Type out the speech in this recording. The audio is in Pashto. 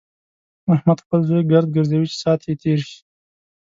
احمد خپل زوی ګرد ګرځوي چې ساعت يې تېر شي.